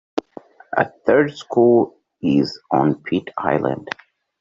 A third school is on Pitt Island.